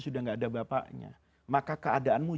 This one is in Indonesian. sudah enggak ada bapaknya maka keadaanmu